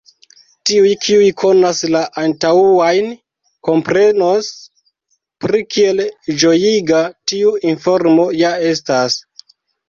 Tiuj kiuj konas la antaŭajn, komprenos pri kiel ĝojiga tiu informo ja estas.